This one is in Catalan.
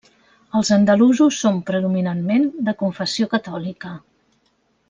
Els andalusos són predominantment de confessió catòlica.